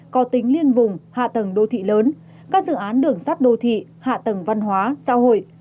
có tính liên vùng hạ tầng đô thị lớn các dự án đường sắt đô thị hạ tầng văn hóa xã hội